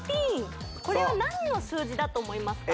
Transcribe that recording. そうこれは何の数字だと思いますか？